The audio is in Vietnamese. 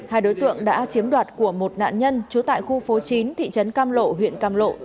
hai đối tượng đã chiếm đoạt của một nạn nhân trú tại khu phố chín thị trấn cam lộ huyện cam lộ